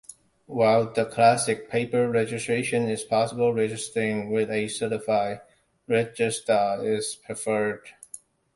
While the classic paper registration is possible, registering with a certified registrar is preferred.